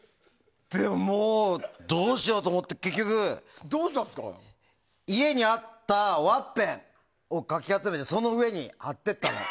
どうしようと思って、結局家にあったワッペンをかき集めてその上に貼っていったの。